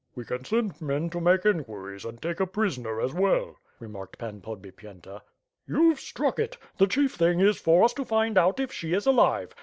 "We can send men to make inquiries and take a prisoner as well/' remarked Pan Podbipyenta. "YouVe struck it. The chief thing is for us to find out if she is alive.